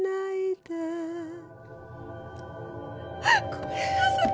ごめんなさい。